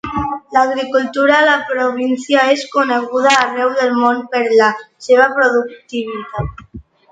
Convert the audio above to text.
L'agricultura a la província és coneguda arreu del món per la seva productivitat.